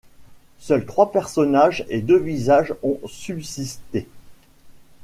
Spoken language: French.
Seuls trois personnages et deux visages ont subsisté.